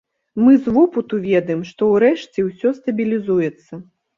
Мы з вопыту ведаем, што, урэшце, усё стабілізуецца.